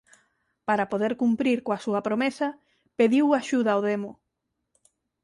Para poder cumprir coa súa promesa pediu axuda ó demo.